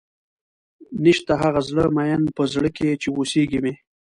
نيشته هغه زړۀ ميئن پۀ زړۀ کښې چې اوسېږي مې